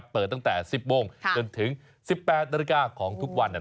เปิดตั้งแต่๑๐โมงถึง๑๘นของทุกวันนั้น